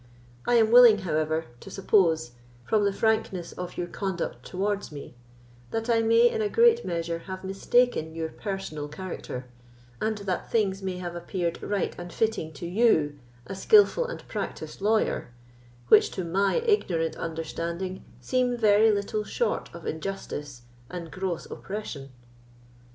I am willing, however, to suppose, from the frankness of your conduct towards me, that I may in a great measure have mistaken your personal character, and that things may have appeared right and fitting to you, a skilful and practised lawyer, which to my ignorant understanding seem very little short of injustice and gross oppression."